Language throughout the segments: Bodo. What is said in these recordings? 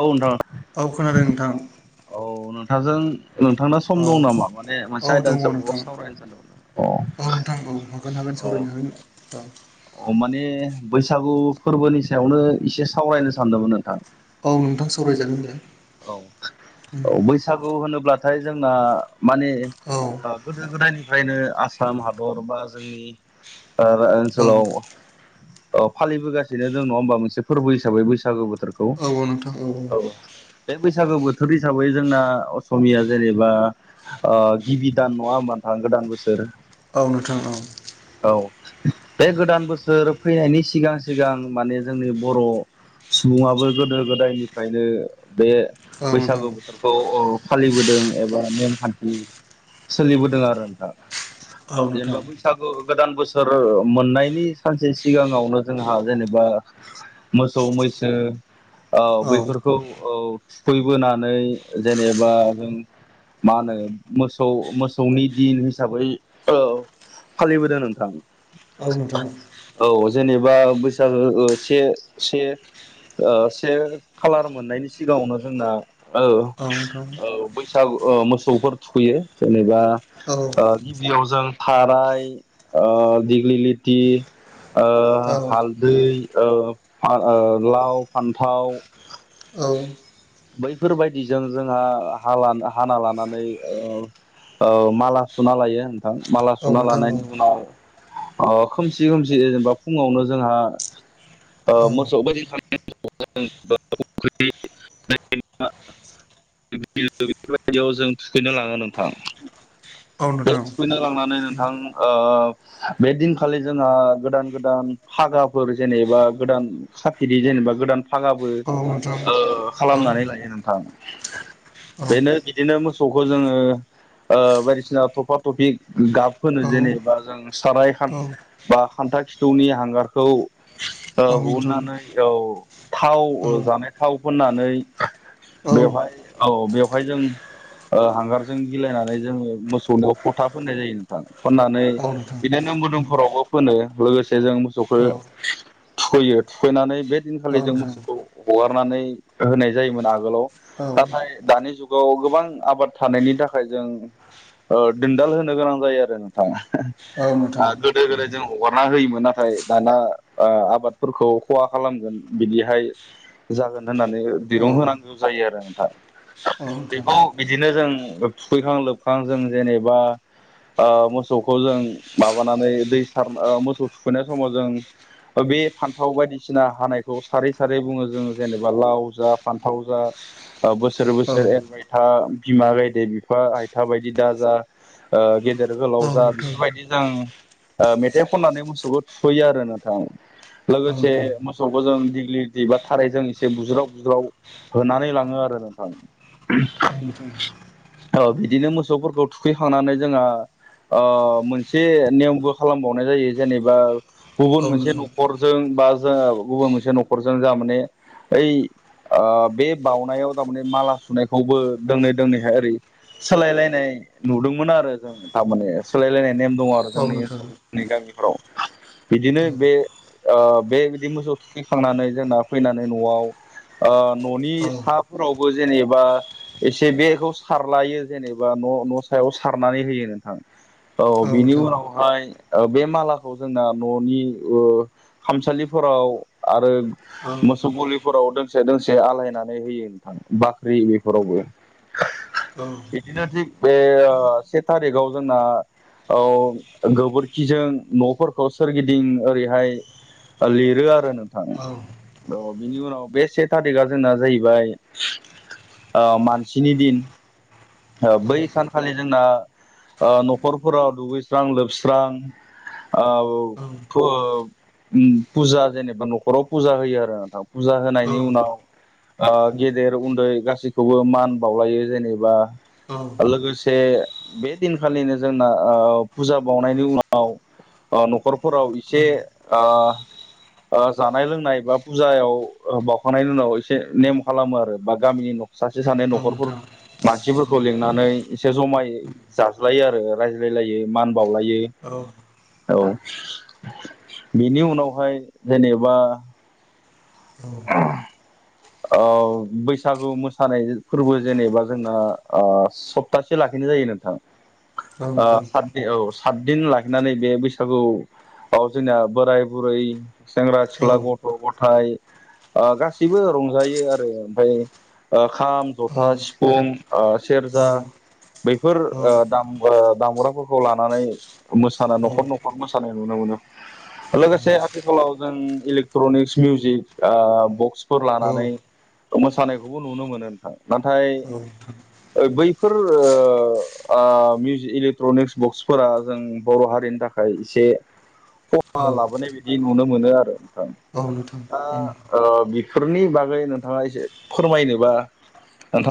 औ औ खोनादों नोंथां औ नोंथांजों। नोंथांना औ सम दं नामा? माने औ मोनसे दङ आयदानिसायावल' नोंथां सावरायनोमोन अ! औ नोंथां औ हागोन हागोन सावरायनो होन औ। अ माने बैसागु फोरबोनि सायावनो एसे सावरायनो सानदोंमोन नोंथां। औ नोंथां सावराय जागोन दे। औ-औ बैसागु होनोब्लाथाय जोंना। माने औ गोदो-गोदायनिफ्रायनो आसाम हादर बा जोंनि। ओ-ओ औ ओनसोलाव औ फालिबोगासिनो जों नङा होमबा? मोनसे फोरबो हिसाबै बैसागु बोथोर। खौ औ। बैसागु बोथोर हिसाबै जोंना असमिया जेनेबा ओ गिबि दान नङा होमबा नोंथां? गोदान बोसोर। औ नोंथां औ। औ बे गोदान बोसोर फैनायनि सिगां-सिगां माने जोंनि बर'। सुबुङाबो गोदो-गोदायनिफ्रायनो बे औ नोंथां बैसागु बोथोरखौ औ। फालिबोदों एबा नेमखान्थि सोलिबोदों आरो नोंथां। औ नोंथां जेनेबा बैसागु गोदान बोसोर। थोर मोननायनि सानसे सिगाङावनो जोंहा जेनेबा मोसौ, मैसो। ओ औ बैफोरखौ थुखैबोनानै जेनेबा जों। मा होनो मोसौ-मोसौनि दिन हिसाबै ओ औ फालिबोदों नोंथां। औ नोंथां। औ जेनेबा बैसागो ओ से-से। ओ से खालार मोननायनि सिगाङावनो जोंना औ गोबां थाव [unintelligible] औ ओ मोसौफोर थुखैयो जेनेबा औ ओ गिबियाव जों थाराय ओ दिग्लिलिथि ओ औ नोंथां औ नोंथां औ नोंथां औ औ हालदै ओ ओ लाव फान्थाव बैफोरबायदिजों जोंहा हाना लानानै ओ ओ माला सुना लायो नोंथां माला सुना नोंथां लानायनि उनाव ओ खोमसि खोमसि जेनेबा फुङावनो जोंहा ओ औ मोसौ [unintelligible] [unintelligible] बिलो बेफोरबायदियाव जों थुखैनो लाङो नोंथां औ बे नोंथां थुखैनो लांनानै नोंथां ओ बे दिनखालि जोंहा गोदान गोदान फागाफोर जेनेबा गोदान साफिदि जेनेबा गोदान फागाबो औ नोंथां ओ खालामनानै लायो नोंथां बेनो बिदिनो मोसौखौ जोङो ओ बायदिसिना थफा थफि गाब होनो जेनेबा जों साराय बा खान्था खिथौनि हांगारखौ हहुननानै औ थाव जानाय थाव फोननानै बेवहाय औ बेवहाय जों ओ हांगारजों गिलायनानै जोङो मोसौनिाव फथा फोननाय जायो नोंथां फोननानै बिदिनो मोदोमफोरावबो फोनो लोगोसे जों मोसौखो थुखैयो थुखैनानै बे दिनखालि जों मोसौखौ हगारनानै होनाय जायोमोन आगोलाव औ नाथाय दानि जुगाव गोबां आबाद थानायनि थाखाय जों ओ दिन्दाल होनो गोनां जायो आरो नोंथा औ आ गोदो नोंथां गोदाय जों अरना होयोमोन नाथाय दाना ओ आबादफोरखौ खहा खालामगोन बिदिहाय जागोन होननानै औ दिरुं होनांगौ जायो आरो नोंथां नोंथां बेखौ बिदिनो जों थुखैखां लोबखां जों जेनेबा ओ मोसौखौ जों माबानानै दै सार ओ मोसौ थुखैनाय समाव जों बे फान्थाव बायदिसिना हानाय खौ सारै सारै बुङो जों जेनेबा लाव जा फान्थाव जा ओ बोसोर औ बोसोर एरबाय था बिमा गायदे बिफा आइथा बायदि दाजा गेदेर औ गोलाव जा नोंथां बेफोरबायदि जों ओ मेथाइ खननानै मोसौखौ थुखैयो आरो नोंथां औ लोगोसे नोंथां मोसौ खौजों दिग्लिलिथि बा थारायजों एसे बुज्राव बुज्राव होनानै लाङो आरो नोंथां [unintelligible] औ बिदिनो मोसौफोरखौ थुखैखांनानै जोंहा ओ मोनसे नियमबो खालामबावनाय जायो जेनेबा औ गुबुन मोनसे नोंथां नखरजों बा जों गुबुन मोनसे नखरजों जा माने ओइ ओ बे बाउनायाव थारमाने माला सुनायखौबो दोंनै दोंनैहाय ओरै सोलायलायनाय नुदोंमोन आरो जों थारमाने सोलायलायनाय नेम दङ आरो औ जोंनि नोंथां ओनसोल जोंनि गामिफोराव बिदिनो बे ओ बे बिदि मोसौ थुखैखांनानै जोंना फैनानै न'आव ओ न'नि औ साफोराव बो जेनेबा एसे बेखौ सारलायो जेनेबा न' न' सायाव सारनानै होयो नोंथां औ बिनि उनावहाय ओ बे मालाखौ जोंना ननि खामसालिफोराव आरो औ मोसौ गलिफोराव दोंसे दोंसे आलायनानै होयो नोंथां बाख्रि बेफोरावबो औ इदिनो थिग बे ओ से थारिखाव जोंना औ गोबोरखिजों न'फोरखौ सोरगिदिं ओरैहाय लिरो आरो नों औ अ बिनि उनाव बे से थारिकआ जोंना जाहैबाय ओ मानसिनि दिन ओ बै सानखालि जोंना ओ न'खरफोराव दुगैस्रां लोबस्रां ओ औ फुओउम पुजा जेनेबा न' खराव पुजा होयो आरो नोंथां पुजा होनायनि उनाव ओ गेदेर उन्दै गासैखौबो मान बावलायो जेनेबा औ औ नोंथां औ नोंथां औ लोगोस से बे दिनखालिनो जोंना ओ फुजा बावनायनि उनाव ओ न'खरफोराव इसे औ औ औ ओ ओ जानाय लोंनाय बा पुजायाव ओ बावखांनायनि उनाव एसे नेम खालामो आरो बा गामिनि न' सासे सानै औ औ न'खरफोर नोंथां मानसिफोरखौ लिंनानै एसे जमायै जाज्लायो आरो रायज्लायलायो मान बावलाय औ औ बेनि उनावहाय जेनेबा औ [unintelligible] ओ बैसागु मोसानाय फोरबो जेनेबा जोंना ओ सप्तासे लाखिनाय जायो नोंथां ओ सातबि औ खातदिन लाखिनानै बे बैसागु आव जोंना बोराय बुरै सेंग्रा सिख्ला गथ' गथाइ ओ गासैबो रंजायो आरो ओमफाय ओ खाम जथा सिफुं ओ सेरजा बैफोर औ ओ दाम ओ दामबग्राफोरखौ लानानै मोसानो न'खर न'खर मोसानाय नुनो मो [unintelligible] लोगोसे आथिखालाव जों इलेक्ट्रनिक्स मिउजिक ओ बक्सफोर लानानै मोसानायखौबो नुनो मोनो नोंथां नाथाय औ ओ बैफोर ओ आ मिउजि इलेक्ट्रनिक्स बक्सफोरा जों बर' हारि रिनि थाखाय एसे खहा लाबोनाय बायदि नुनो मोनो आरो नोंथां नोंथां दा ओ बिफोरनि बागै नोंथाङा एसे फोरमायनोबा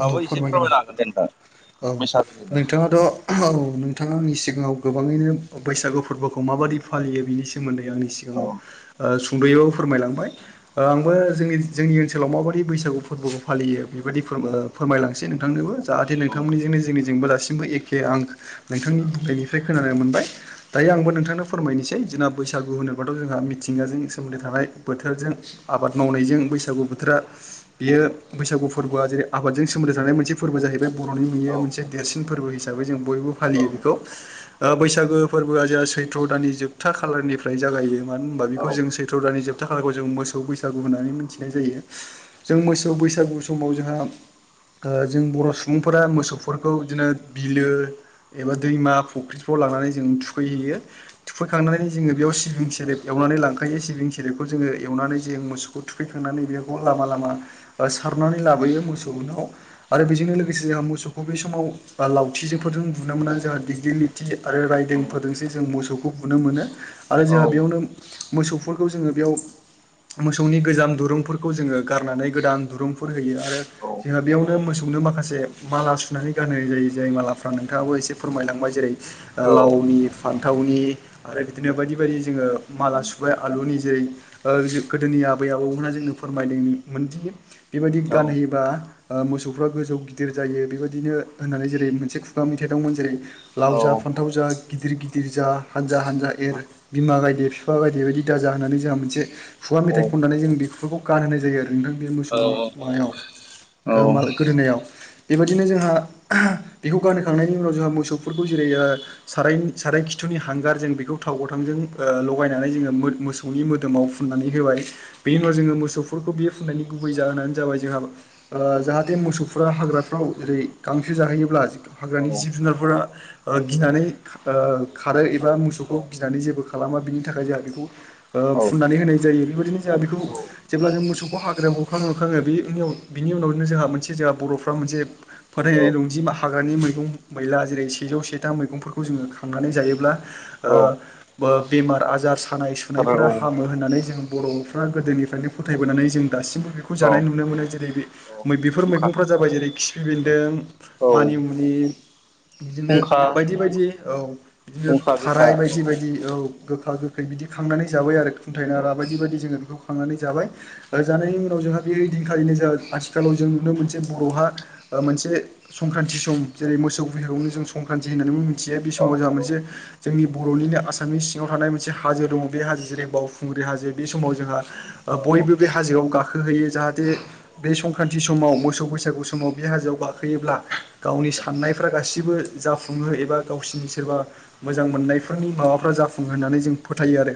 औ एसे फोरमायगोन फोरमायनो हागोन दे नोंथां औ बैसागोनि बागै नोंथाङाथ' औ नोंथाङा आंनि सिगाङाव गोबाङैनो बैसागु फोरबोखौ माबायदि फालियो बिनि सोमोन्दै आंनि औ सिगाङाव ओस सुंद'यैबाबो फोरमायलांबाय ओ औ आंबो जोंनि जोंनि ओनसोलाव माबायदि बैसागु फोरबोखौ फालियो बेबायदि फोरम ओ फोरमायलांनोसै नोंथांनोबो जाहाथे औ नोंथांमोननिजोंनो जोंनिजोंबो दासिमबो एखे आं नोंथांनि बुंनायनिफ्राय खोनानो मोनबाय दायो आंबो नोंथांनो फोरमायनिसै जोंना बैसागु होनोबाथ' जोंहा मिथिंगाजों सोमोन्दो थानाय बोथोरजों आबाद मावनायजों बैसागु बोथोरा बेयो बैसागु फोरबोआ जेरै आबादजों सोमोन्दो थानाय मोनसे फोरबो जाहैबाय बर'नि बियो मोनसे देरसिन फोरबो हिसाबै जों बयबो औ फालियो बिखौ ओ बैसागो फोरबोआ जोंहा सैथ्र' दाननि जोबथा खालारनिफ्राय जागायो मानो होनबा औ बेखौ जों सैथ्र' दाननि जोब था खालारखौ जों मोसौ बैसागु होननानै मिनथिनाय जायो जों मोसौ बैसागु समाव जोंहा ओ जों बर' सुबुंफोरा मोसौफोरखौ इदिनो बिलो एबा दैमा फुख्रिफ्राव लांनानै जों थुखैहैयो थुखैखांनानै जोङो बेयाव सिबिं सेरेब एव नानै लांखायो सिबिं सेरेबखौ जोङो एवनानै जों मोसौखौ थुखैखांनानै बेखौ लामा लामा ओ सार नानै लाबोयो मोसौनाव आरो बेजोंनो लोगोसे जोंहा मोसौ अबे समाव बा लावथिजोंफोरजों बुनो मोना जोंहा दि दिलिथि आरो रायदों औ फोरजोंसो जों मोसौखौ बुनो मोनो आरो जोंहा बेयावनो मोसौफोरखौ जोङो बेयाव मोसौनि गोजाम दुरुंफोरखौ जोङो गारनानै गोदान दुरुंफोर होयो आरो जोंहा बेयावनो मोसौ नो माखासे माला सु नानै गानहोनाय जायो जाय मालाफ्रा नोंथाङाबो एसे फोरमायलांबाय जेरै ओ औ लावनि फान्थावनि आरो बिदिनो बायदि बायदि जोङो माला सुबाय आलुनि जेरै ओज गोदोनि आबै आबौ मोना जोंनो फोरमायदों मोनदि बेबायदि औ गानहैयोबा मोसौफ्रा गोजौ गिदिर जायो बेबायदि बिदिनो होननानै जेरै मोनसे खुगा मेथाइ दंमोन जेरै लाव औ जा फान्थाव जा गिदिर गिदिर जा हानजा हानजा एर बिमा गायदे बिफा गायदे बायदि दाजा होननानै जोंहा मोनसे खुगा मेथाइ खननानै जों बेफोरखौ गानहोनाय जायो आरो नोंथां बे मोसौनि माबायाव मा गोदोनायाव बिदिनो जोंहा बेखौ गानहखांनायनि उनाव जोंहा मोसौफोरखौ जेरै साराय साराय खिथुनि हांगार जों बेखौ थाव गथांजों ओ लगायनानै जोङो मोसौनि मोदोमाव फुननानै होबाय बेनि उन जोङो मोसौफोरखौ बियो फुननायनि गुबै जाहोनानो जाबाय जोंहा आंजाहाथे मोसौफोरा हाग्रा आव ओरै गांसो जाहैयोब्ला हाग्रानि जिब जुनारफोरा ओ गिनानै ओ खा खारो एबा मोसौखौ गिनानै जेबो खालामा बिनि थाखाय जोंहा बेखौ ओ फुननानै होनाय जायो बेबायदिनो जोंहा औ जेब्ला जों मोसौखौ हाग्रायाव गुरखांनो हरखाङो बेनि बिनि उनावनो जोंहा मोनसे जोंहा बर'फ्रा मोनसे फोथायनाय रंजि हाग्रानि मैगं-मैला जेरै सेजौ सेथाम मैगंफोरखौ जोङो खांनानै जायोब्ला ओ बेमार आजार सानाय सुनायफोरा आरो हामो होननानै जों बर'फ्रा गोदोनिफ्रायनो फोथायबोनानै जों दासिमबो बेखौ औ जानाय नुनो मोनो जेरै बेफोर फुंखा मैगंफ्रा जाबाय जेरै खिफि बेन्दों औ मानिमुनि फुंखा बिदिनो बायदि बायदि औ बिदिनो फुंखा गोखा औ थाराय औ बायदि बायदि औ गोखा गोखै बिदि खांनानै जाबाय आरो खुथायनारा बायदि बायदि जोङो बेखौ खांनानै जाबाय ओ जानायनि उनाव जोंहा बे रिदिं खालिनो जोंङा आथिखालाव जों नुनो मोनसे बर'हा मोनसे संक्रान्ति सम जेरै मोसौ बिहुआवनो जों संक्रान्ति होननानै बुङो [unintelligible] बे औ समाव जोंहा मोनसे जोंनि बर'निनो आसामनि सिङाव थानाय मोनसे हाजो दङ बे हाजो जेरै बावखुंग्रि हाजो बे समाव जोंहा ओ बयबो बे हाजोआव गाखोहोयो जाहाथे बे संक्रान्ति समाव मोसौ बैसागु समाव बे हाजोआव गाखोयोब्ला गावनि साननायफ्रा गासिबो जाफुङो एबा गावसिनि सोरबा मोजां मोननायफोरनि माबाफ्रा जाफुङो होननानै जों फोथायो आरो।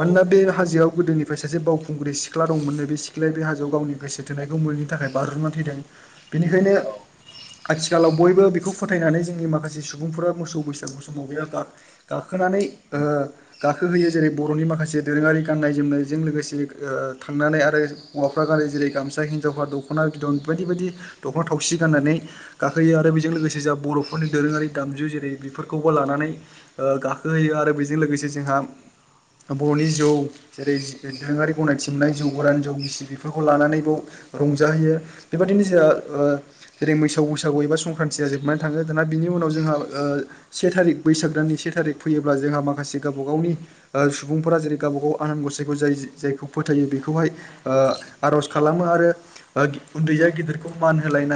औ बे हाजोआव गोदोनि सासे बावखुंग्रि सिख्ला दंमोन नै बे सिख्लाया बे हाजोआव गावनि गोसो थोनायखौ मोनैनि थाखाय बाज्रुमना थैदों। बेनिखायनो औ आथिखालाव बयबो बेखौ फोथायनानै जोंनि माखासे सुबुंफोरा मोसौ बैसागु समाव बे गा-गा गाखोनानै ओ गाखोहोयो जेरै बर'नि माखासे दोरोङारि गाननाय जोमनायजों लोगोसे ओ थांनानै आरो हौवाफ्रा गा थारै जेरै गामसा हिनजावा दख'ना बिदन बायदि बायदि दख'ना थावसि गाननानै गाखोयो आरो बेजों लोगोसे जा बर'फोरनि दोरोङारि दामजु जेरै बेफोरखौबो लानानै ओ गाखो होयो आरो बेजों लोगोसे जोंहा बर'नि जौ जेरै दोरोङारि गनायथि मोननाय जौ गोरान जौ गिसि बेफोरखौ लानानै बाव रंजाहैयो बेबायदिनो जोंहा ओ जेरै मोसौ बैसागु एबा संक्रान्तिया जोबनानै थाङो दाना बिनि उनाव जोंहा ओ से थारिख बैसागदाननि से थारिख फैयोब्ला जोंहा माखासे गावबा गावनि ओ सुबुंफोरा जेरै गावबा गाव आनान गसाइखौ जायो जे जायखौ फोथायो बेखौहाय ओ आर'ज खालामो आरो उन्दैया गिदिरखौ मान होलायना